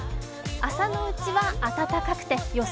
朝のうちは暖かくて予想